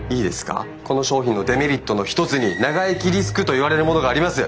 この商品のデメリットの一つに「長生きリスク」といわれるものがあります。